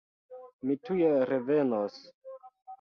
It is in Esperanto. Mi tuj revenos.